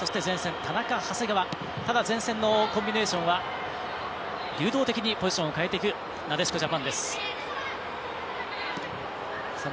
ただ、前線のコンビネーションは流動的にポジションを変えるなでしこジャパンです。